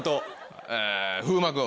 風磨君。